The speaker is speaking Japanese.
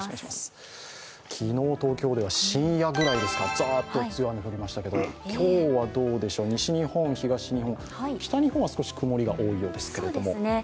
昨日、東京では深夜ぐらいですか、ザーッと強い雨が降りましたけど、今日はどうでしょう、西日本、東日本、北日本は少し曇りが多いようですけれども。